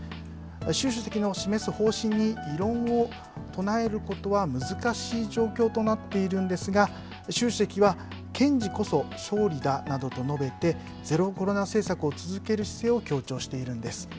習主席の示す方針に異論を唱えることは難しい状況となっているんですが、習主席は、堅持こそ勝利だなどと述べて、ゼロコロナ政策を続ける姿勢を強調しているんです。